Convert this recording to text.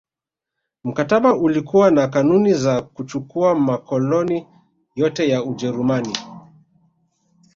Mkataba ulikuwa na kanuni za kuchukua makoloni yote ya Ujerumani